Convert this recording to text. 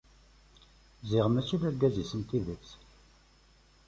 Ziɣ mačči d argaz-is n tidet.